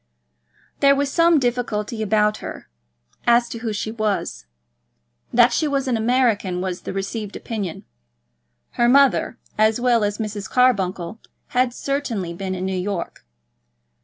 There was some difficulty about her, as to who she was. That she was an American was the received opinion. Her mother, as well as Mrs. Carbuncle, had certainly been in New York.